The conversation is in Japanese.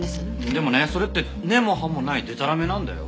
でもねそれって根も葉もないでたらめなんだよ。